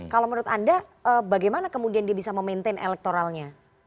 kalau menurut anda bagaimana kemudian dia bisa memaintain elektoralnya